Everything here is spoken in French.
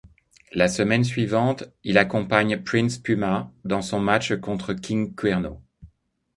La semaine suivante, il accompagne Prince Puma dans son match contre King Cuerno.